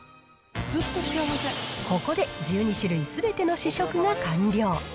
ここで１２種類すべての試食が完了。